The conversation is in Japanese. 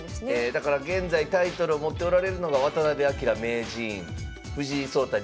だから現在タイトルを持っておられるのが渡辺明名人藤井聡太